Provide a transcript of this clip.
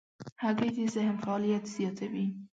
هګۍ د ذهن فعالیت زیاتوي.